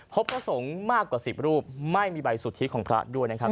พระสงฆ์มากกว่า๑๐รูปไม่มีใบสุทธิของพระด้วยนะครับ